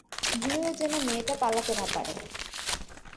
ভুলেও যেন মেয়েটা পালাতে না পারে!